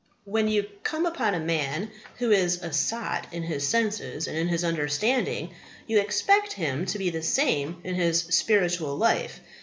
When you come upon a man who is a sot in his senses and in his understanding, you expect him to be the same in his spiritual life.